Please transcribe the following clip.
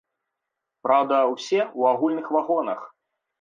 Праўда, усе ў агульных вагонах.